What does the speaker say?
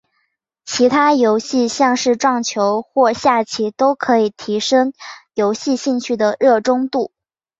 其他游戏像是撞球或下棋都可以提升游戏兴趣的热衷度。